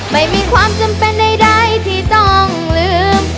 ไม่มีความจำเป็นใดที่ต้องลืม